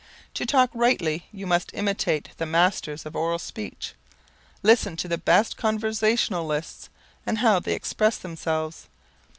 To talk rightly you must imitate the masters of oral speech. Listen to the best conversationalists and how they express themselves.